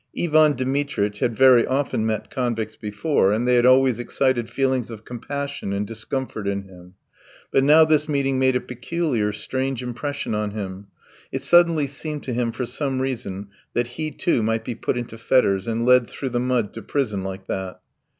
Ivan Dmitritch had very often met convicts before, and they had always excited feelings of compassion and discomfort in him; but now this meeting made a peculiar, strange impression on him. It suddenly seemed to him for some reason that he, too, might be put into fetters and led through the mud to prison like that.